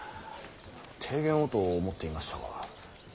提言をと思っていましたが。